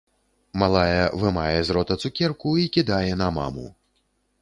Малая вымае з рота цукерку і кідае на маму.